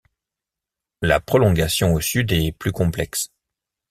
La prolongation au sud est plus complexe.